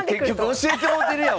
教えてもうてたやん。